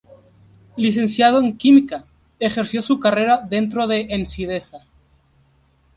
Licenciado en Química, ejerció su carrera dentro de Ensidesa.